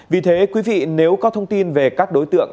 vì thế quý vị nếu có thông tin về các đối tượng